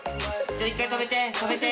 じゃ、一回止めて！